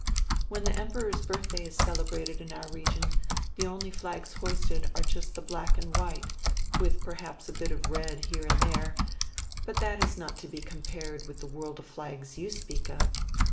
When the Emperor's birthday is celebrated in our region the only flags hoisted are just the black and white, with perhaps a bit of red here and there, but that is not to be compared with the world of flags you speak of.